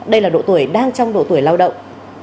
đây là độ tuổi đang trong độ tuổi lao động